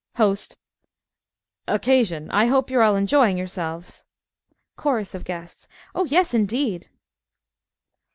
HOST occasion. I hope you are all enjoying yourselves. CHORUS OF GUESTS Yes, indeed!